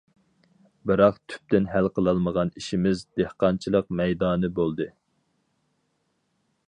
بىراق تۈپتىن ھەل قىلالمىغان ئىشىمىز، دېھقانچىلىق مەيدانى بولدى.